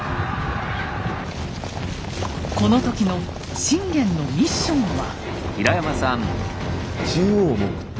この時の信玄のミッションは。